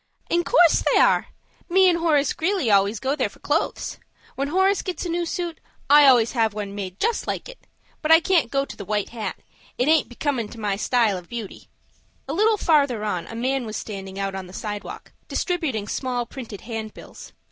"In course they are. Me and Horace Greeley always go there for clothes. When Horace gets a new suit, I always have one made just like it; but I can't go the white hat. It aint becomin' to my style of beauty." A little farther on a man was standing out on the sidewalk, distributing small printed handbills.